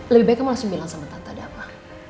lebih baik kamu langsung bilang sama tante ada apa